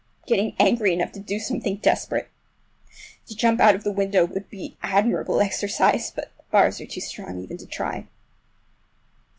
I am getting angry enough to do something desperate. To jump out of the window would be admirable exercise, but the bars are too strong even to try.